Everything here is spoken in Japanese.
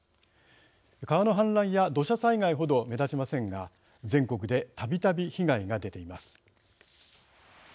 川の氾濫や土砂災害程目立ちませんが、全国でたびたび被害が出ています。